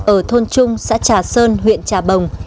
ở thôn trung xã trà sơn huyện trà bồng